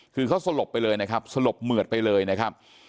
คือเขาสลบไปเลยนะครับสลบเหมือดไปเลยนะครับ